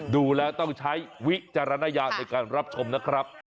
ดูแล้วต้องใช้วิจารณญาณในการรับชมนะครับ